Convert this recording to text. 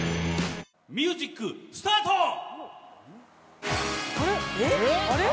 ミュージックスタート！